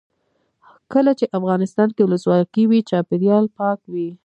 کله چې افغانستان کې ولسواکي وي چاپیریال پاک وي.